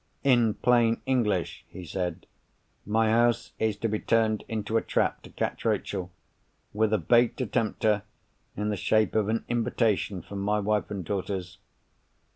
"In plain English," he said, "my house is to be turned into a trap to catch Rachel; with a bait to tempt her, in the shape of an invitation from my wife and daughters.